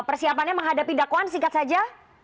persiapannya menghadapi dakwaan singkat saja